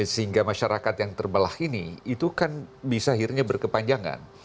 sehingga masyarakat yang terbelah ini itu kan bisa akhirnya berkepanjangan